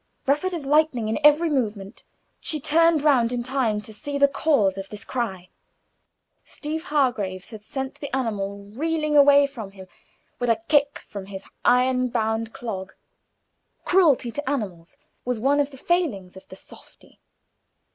Rapid as lightning in every movement, she turned round in time to see the cause of this cry. Steeve Hargraves had sent the animal reeling away from him with a kick from his iron bound clog. Cruelty to animals was one of the failings of the "softy."